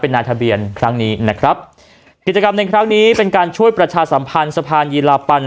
นายทะเบียนครั้งนี้นะครับกิจกรรมในครั้งนี้เป็นการช่วยประชาสัมพันธ์สะพานยีลาปัน